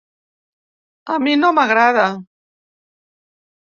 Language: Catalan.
A mi no m’agrada.